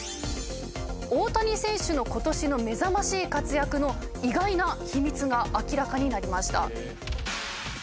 大谷選手の今年の目覚ましい活躍の意外な秘密が明らかになりました。